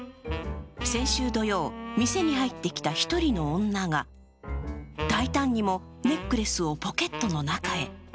先週土曜、店に入ってきた一人の女が大胆にもネックレスをポケットの中へ。